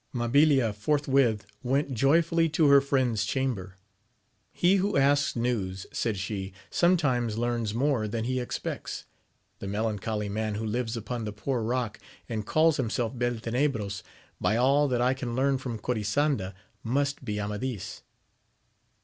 Mabilia forthwith went joyfully to her friend's chamber. He who asks news, said she, sometimes learns more than he expects : the melancholy man who lives upon the Poor Eock, and calls himself Beltenebros, by aU that I can learn from Corisanda, must be Amadis.